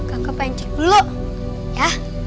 kakak pengen cek dulu ya